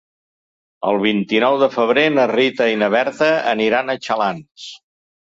El vint-i-nou de febrer na Rita i na Berta aniran a Xalans.